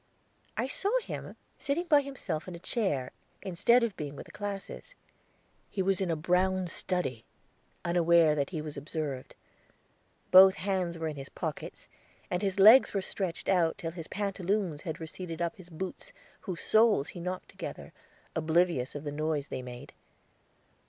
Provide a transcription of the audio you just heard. I saw him, sitting by himself in a chair, instead of being with the classes. He was in a brown study, unaware that he was observed; both hands were in his pockets, and his legs were stretched out till his pantaloons had receded up his boots, whose soles he knocked together, oblivious of the noise they made.